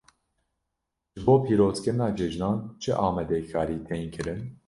Ji bo pîrozkirina cejnan çi amadekarî tên kirin?